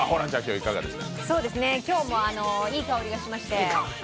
今日もいい香りがしました。